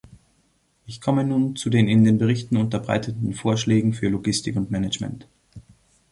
Ich komme nun zu den in den Berichten unterbreiteten Vorschlägen für Logistik und Management.